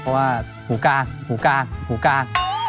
เพราะว่าหูกลางหูกลางหูกลาง